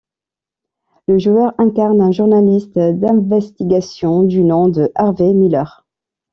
Le joueur incarne un journaliste d'investigation du nom de Harvey Miller.